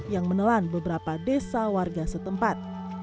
yang menelan beberapa desa warga setempat